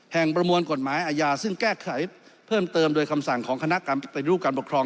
ประมวลกฎหมายอาญาซึ่งแก้ไขเพิ่มเติมโดยคำสั่งของคณะกรรมปฏิรูปการปกครอง